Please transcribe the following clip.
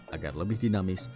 agar lebih dinamis